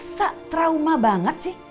masa trauma banget sih